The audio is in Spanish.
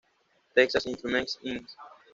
Texas Instruments Inc.